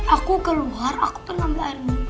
aku keluar aku tenang belain